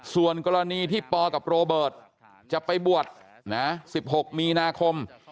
ส่วนกรณีที่ปกับโรเบิร์ตจะไปบวช๑๖มีนาคม